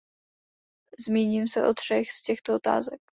Zmíním se o třech z těchto otázek.